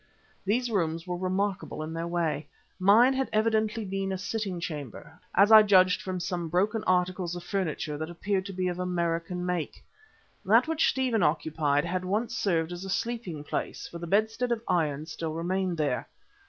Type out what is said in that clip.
Those rooms were remarkable in their way. Mine had evidently been a sitting chamber, as I judged from some much broken articles of furniture, that appeared to be of American make. That which Stephen occupied had once served as a sleeping place, for the bedstead of iron still remained there.